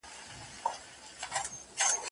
عاقبت غلیم د بل، دښمن د ځان دی.